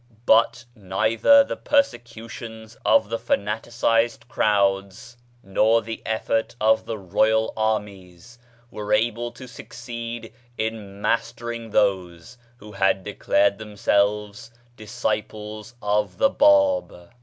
But neither the perse cutions of the fanatised crowds nor the 35 36 BAHAISM effort of the royal armies were able to succeed in mastering those who had de clared themselves disciples of the Bab.